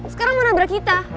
sekarang mau nabrak kita